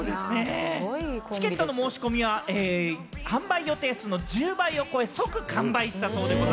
チケットの申し込みは販売予定数の１０倍を超えて、即完売だそうです。